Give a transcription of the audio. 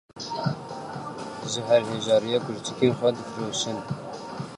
Ji ber hejariyê gurçikên xwe difiroşin.